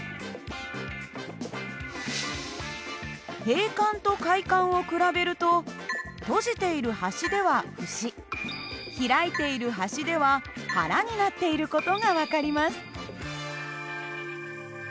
閉管と開管を比べると閉じている端では節開いている端では腹になっている事が分かります。